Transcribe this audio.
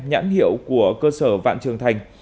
nhãn hiệu của cơ sở vạn trường thành